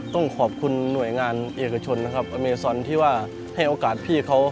ต้องขอบคุณหน่วยงานเอกชนนะครับอเมซอนที่ว่าให้โอกาสพี่เขา